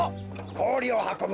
こおりをはこぶ